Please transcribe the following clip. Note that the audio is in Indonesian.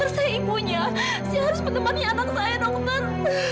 saya harus menemani anak saya dokter